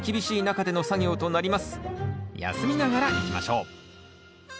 休みながらいきましょう。